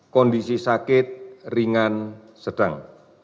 kondisi sakit ringan sedang